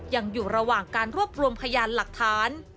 ยังอยู่ระหว่างการรวบรวมพยานหลักฐาน